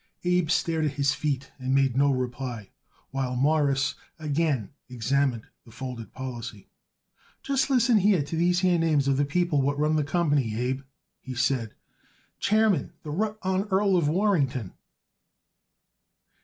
Abe stared at his feet and made no reply, while Morris again examined the folded policy. "Just listen here to these here names of the people what run the company, Abe," he said. "Chairman, the rutt honn Earl of Warrington."